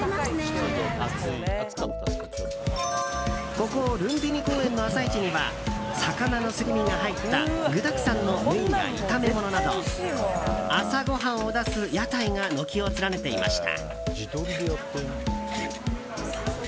ここ、ルンピニ公園の朝市には魚のすり身が入った具だくさんの麺や炒め物など朝ごはんを出す屋台が軒を連ねていました。